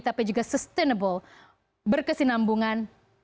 tapi juga sustainable berkesinambungan